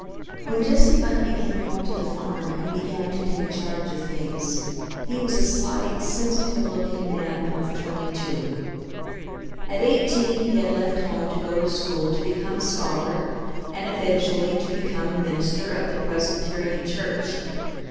When Jesse Bentley came home to the farm and began to take charge of things he was a slight, sensitive looking man of twenty two. At eighteen he had left home to go to school to become a scholar and eventually to become a minister of the Presbyterian Church.